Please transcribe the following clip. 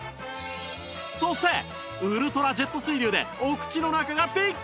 そしてウルトラジェット水流でお口の中がピッカピカ！